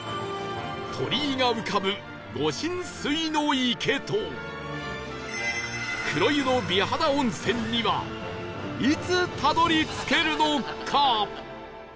鳥居が浮かぶ御神水の池と黒湯の美肌温泉にはいつたどり着けるのか？